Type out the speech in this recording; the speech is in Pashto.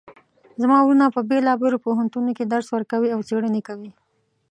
زما وروڼه په بیلابیلو پوهنتونونو کې درس ورکوي او څیړنې کوی